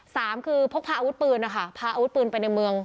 สามคือพกพาอาวุธปืนนะคะพาอาวุธปืนไปในเมือง